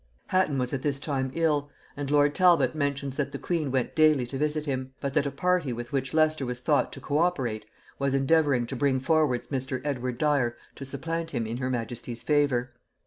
Hatton was at this time ill, and lord Talbot mentions that the queen went daily to visit him, but that a party with which Leicester was thought to co operate, was endeavouring to bring forwards Mr. Edward Dyer to supplant him in her majesty's favor.